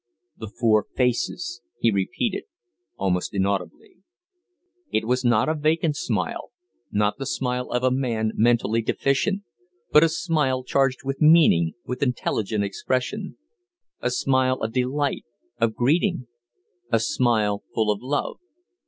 "The Four Faces!" he repeated, almost inaudibly. It was not a vacant smile, not the smile of a man mentally deficient, but a smile charged with meaning, with intelligent expression; a smile of delight, of greeting a smile full of love.